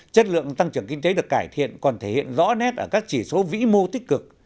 chất lượng tăng trưởng kinh tế được cải thiện còn thể hiện rõ nét ở các chỉ số vĩ mô tích cực